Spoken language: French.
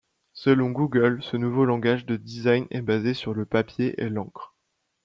Selon Google ce nouveau langage de design est basé sur le papier et l'encre.